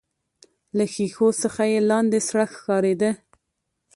له ښيښو څخه يې لاندې سړک ښکارېده.